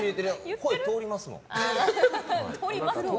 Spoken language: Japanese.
声、通りますもん。